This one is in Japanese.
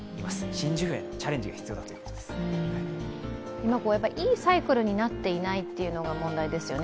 今、いいサイクルになっていないというのが問題ですよね。